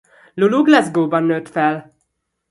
Lulu Glasgowban nőtt fel.